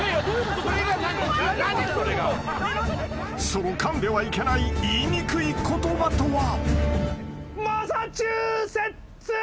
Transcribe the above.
［そのかんではいけない言いにくい言葉とは］